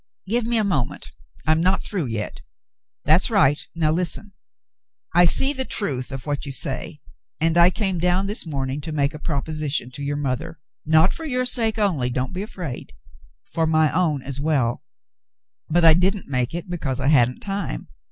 "Give me a moment longer. I'm not through yet. That's right, now listen. I see the truth of what you say, and I came down this morning to make a proposition to your mother — not for your sake only — don't be afraid, for my own as well ; but I didn't make it because I hadn't time.